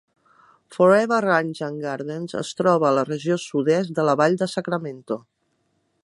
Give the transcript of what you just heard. Forever Ranch and Gardens es troba a la regió sud-est de la vall de Sacramento.